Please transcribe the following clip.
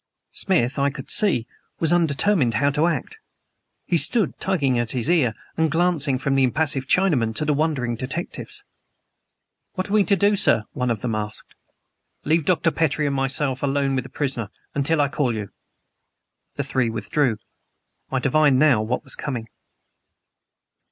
Smith, I could see, was undetermined how to act; he stood tugging at his ear and glancing from the impassive Chinaman to the wondering detectives. "What are we to do, sir?" one of them asked. "Leave Dr. Petrie and myself alone with the prisoner, until I call you." The three withdrew. I divined now what was coming.